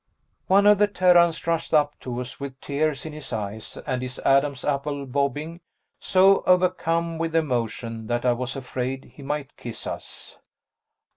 One of the Terrans rushed up to us with tears in his eyes and his Adam's apple bobbing, so overcome with emotion that I was afraid he might kiss us.